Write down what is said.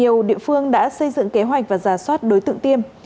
nhiều địa phương đã xây dựng kế hoạch và giả soát đối tượng tiêm